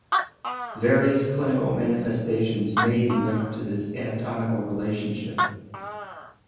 Various clinical manifestations may be linked to this anatomical relationship.